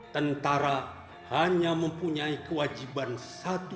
tentara hanya mempunyai kewajiban satu